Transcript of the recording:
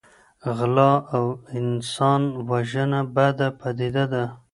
غلا او انسان وژنه بده پدیده ده.